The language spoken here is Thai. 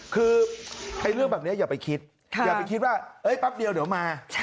คือเรื่องแบบนี้อย่าไปคิดอย่าไปคิดว่าแป๊บเดียวเดี๋ยวมา